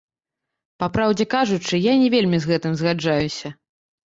Папраўдзе кажучы, я не вельмі з гэтым згаджаюся.